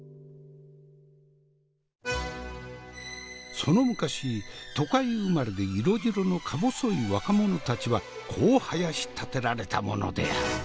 その昔都会生まれで色白のかぼそい若者たちはこうはやしたてられたものである。